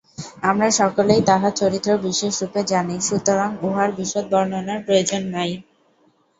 আমরা সকলেই তাঁহার চরিত্র বিশেষরূপে জানি, সুতরাং উহার বিশদ বর্ণনার প্রয়োজন নাই।